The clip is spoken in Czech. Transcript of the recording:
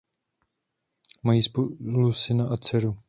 Mají spolu syna a dceru.